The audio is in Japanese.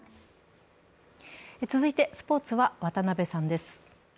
続いてスポーツは渡部さんです。